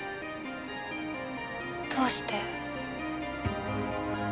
どうして？